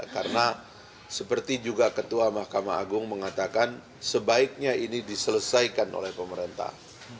karena seperti juga ketua mahkamah agung mengatakan sebaiknya ini diselesaikan oleh pemerintah